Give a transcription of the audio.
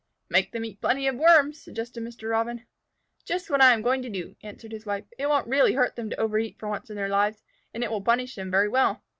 "Make them eat plenty of Worms," suggested Mr. Robin. "Just what I am going to do," answered his wife. "It won't really hurt them to overeat for once in their lives, and it will punish them very well."